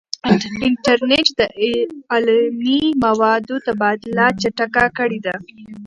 انټرنیټ د علمي موادو تبادله چټکه کړې ده.